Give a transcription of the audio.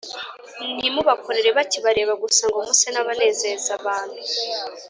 ntimubakorere bakibareba gusa ngo muse n’abanezeza abantu